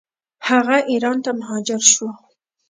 هغه ایران ته مهاجر شو.